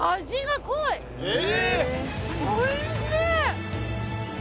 おいしい。